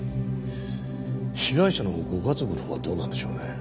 被害者のご家族のほうはどうなんでしょうね？